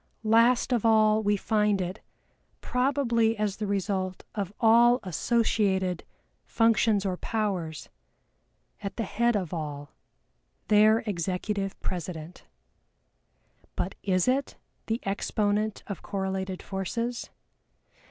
Last of all we find it, probably as the result of all associated functions or powers, at the head of all, their Executive president. But is it "the exponent of correlated forces?"